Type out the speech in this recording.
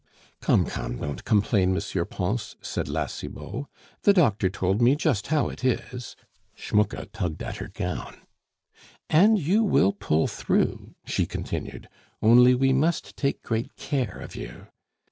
"Come, come, don't complain, M. Pons," said La Cibot; "the doctor told me just how it is " Schmucke tugged at her gown. "And you will pull through," she continued, "only we must take great care of you.